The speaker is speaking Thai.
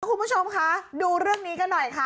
คุณผู้ชมคะดูเรื่องนี้กันหน่อยค่ะ